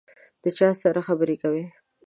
د چا سره خبري کوې ؟